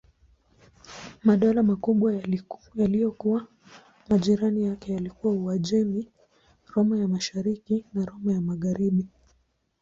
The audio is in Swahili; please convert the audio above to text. Madola makubwa yaliyokuwa majirani yake yalikuwa Uajemi, Roma ya Mashariki na Roma ya Magharibi.